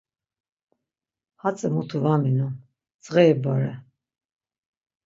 Hatzi mutu var minon, dzğeri bore.